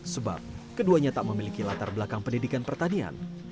sebab keduanya tak memiliki latar belakang pendidikan pertanian